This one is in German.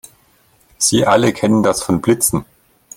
Sie alle kennen das von Blitzen.